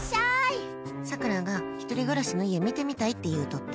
さくらが１人暮らしの家見てみたいって言うとって。